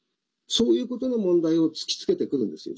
そういうことの問題を突きつけてくるんですよ。